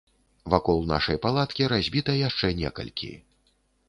Вакол нашай палаткі разбіта яшчэ некалькі.